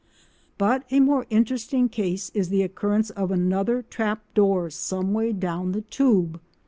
But a more interesting case is the occurrence of another trap door some way down the tube.